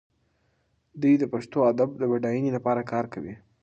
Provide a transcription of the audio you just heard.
دی د پښتو ادب د بډاینې لپاره کار کوي.